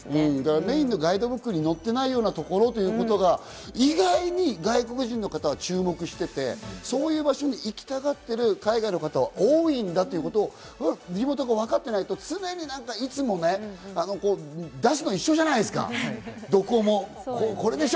メインのガイドブックに載っていないようなところということが意外に外国人の方は注目していて、そういう場所に行きたがっている海外の方は多いんだということをわかっていないと、常にいつも出すの一緒じゃないですか、どこも、これでしょ？